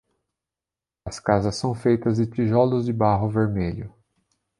As casas são feitas de tijolos de barro vermelho.